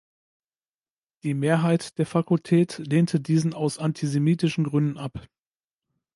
Die Mehrheit der Fakultät lehnte diesen aus antisemitischen Gründen ab.